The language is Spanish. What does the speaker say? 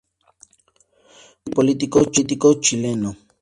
Contador y político chileno.